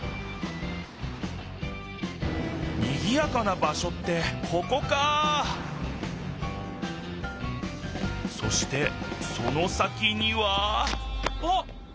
にぎやかな場しょってここかそしてその先にはあっ！